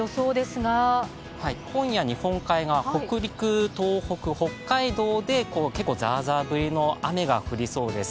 今夜、日本海側、北陸、東北、北海道で、結構ザーザー降りの雨が降りそうです。